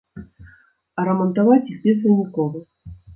А рамантаваць іх безвынікова.